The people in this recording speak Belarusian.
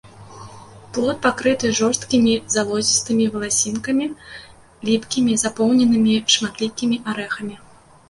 Плод пакрыты жорсткімі залозістымі валасінкамі, ліпкімі, запоўненымі шматлікімі арэхамі.